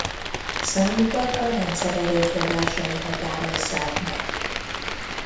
Számukat a rendszer erőforrásai határozzák meg.